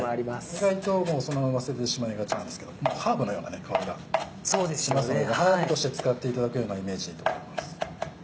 意外とそのまま捨ててしまいがちなんですけどハーブのような香りがしますのでハーブとして使っていただくようなイメージでいいと思います。